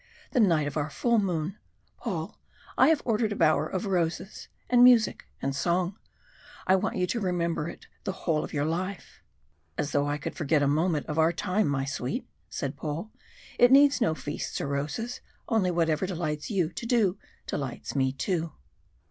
The night of our full moon! Paul, I have ordered a bower of roses and music and song. I want you to remember it the whole of your life." "As though I could forget a moment of our time, my sweet," said Paul. "It needs no feasts or roses only whatever delights you to do, delights me too."